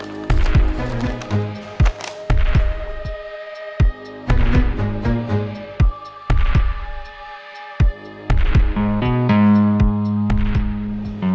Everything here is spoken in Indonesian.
bro ini lupa mamah